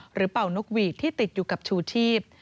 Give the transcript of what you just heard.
หรือเป่านกหวกหะที่ติดอยู่กับชูชีพ